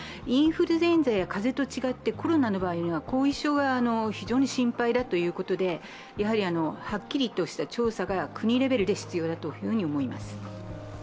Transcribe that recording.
インフルエンザや風邪と違ってコロナの場合には後遺症が非常に心配だということで、はっきりとした調査が国レベルで必要だと思います。